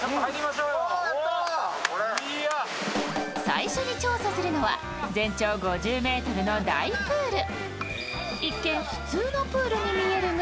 最初に調査するのは全長５０ｍの大プール。